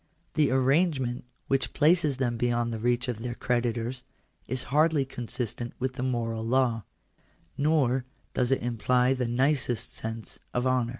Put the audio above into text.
That arrange ment which places them beyond the reach of their creditors, is hardly consistent with the moral law; nor does it imply the nicest sense of honour.